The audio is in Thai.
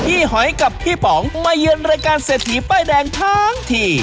หอยกับพี่ป๋องมาเยือนรายการเศรษฐีป้ายแดงทั้งที